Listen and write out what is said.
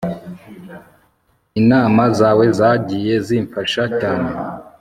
inama zawe zagiye zimfasha cyane